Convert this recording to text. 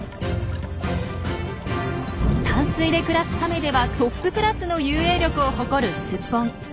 淡水で暮らすカメではトップクラスの遊泳力を誇るスッポン。